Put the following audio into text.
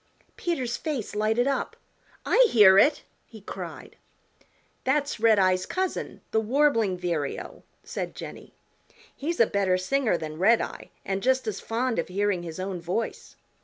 Peter's face lighted up. "I hear it," he cried. "That's Redeye's cousin, the Warbling Vireo," said Jenny. "He's a better singer than Redeye and just as fond of hearing his own voice.